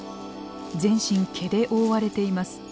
全身毛で覆われています。